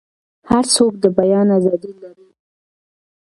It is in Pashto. هر څوک د بیان ازادي لري.